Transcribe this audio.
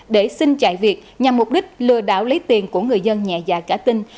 để xin chạy việc nhằm mục đích lừa đảo lấy tiền của người dân nhẹ dạ cả tin